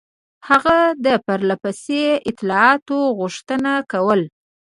هغه د پرله پسې اطلاعاتو غوښتنه کوله.